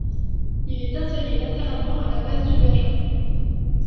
Il est inséré latéralement à la base du vagin.